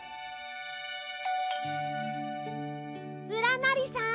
うらなりさん！